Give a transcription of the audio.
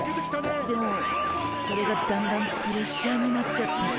でもそれがだんだんプレッシャーになっちゃって。